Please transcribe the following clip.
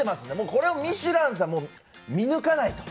これはミシュランさん、見抜かないと。